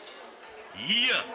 いや！